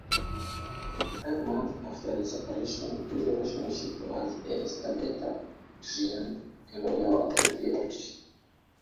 Five months after his separation, his relationship with Elisabetta Tulliani, a lawyer, was revealed.